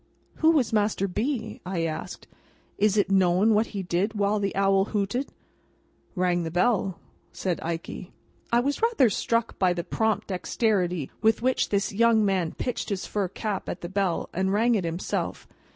"Who was Master B.?" I asked. "Is it known what he did while the owl hooted?" "Rang the bell," said Ikey. I was rather struck by the prompt dexterity with which this young man pitched his fur cap at the bell, and rang it himself.